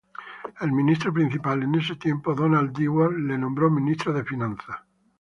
El Ministro Principal en ese tiempo, Donald Dewar, lo nombró Ministro de Finanzas.